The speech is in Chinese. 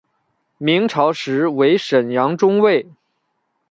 明朝时为沈阳中卫。